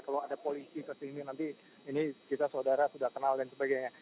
kalau ada polisi kesini nanti ini kita saudara sudah kenal dan sebagainya